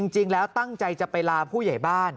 จริงแล้วตั้งใจจะไปลาผู้ใหญ่บ้าน